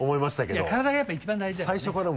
いやぁ体がやっぱり一番大事だからね。